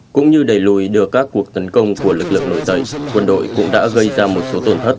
cũng như đẩy lùi được các cuộc tấn công của lực lượng nội tẩy quân đội cũng đã gây ra một số tổn thất